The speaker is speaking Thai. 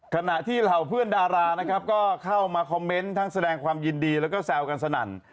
ขณะที่เหล่าเพื่อนดารานะครับก็เข้ามาคอมเมนต์ทั้งแสดงความยินดีแล้วก็แซวกันสนั่น